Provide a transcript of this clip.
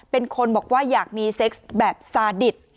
เป็นคนบอกว่าอยากมีเซ็กซ์แบบซาดิต